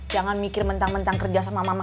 jangan mikir mentang mentang kerja sama mama